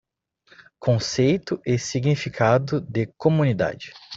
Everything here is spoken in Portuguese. Conceito e Significado de Comunidade.